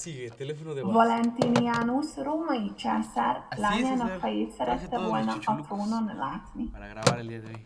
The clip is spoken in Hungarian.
Valentinianus római császár lányának férjét szerette volna a trónon látni.